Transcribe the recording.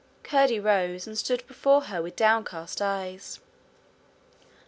Curdie rose and stood before her with downcast eyes.